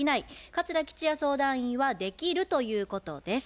桂吉弥相談員は「できる」ということです。